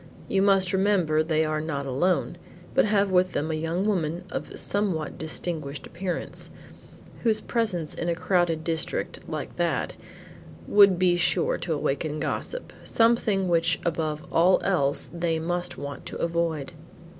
You must remember they are not alone, but have with them a young woman of a somewhat distinguished appearance, whose presence in a crowded district, like that, would be sure to awaken gossip; something which above all else they must want to avoid."